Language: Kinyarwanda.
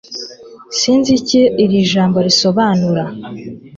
Sinzi icyo iri jambo risobanura